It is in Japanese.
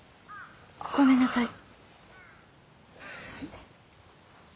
ごめんなさい。